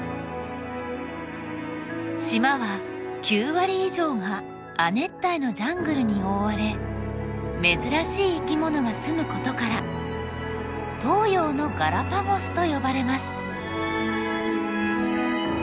島は９割以上が亜熱帯のジャングルに覆われ珍しい生き物が住むことから東洋のガラパゴスと呼ばれます。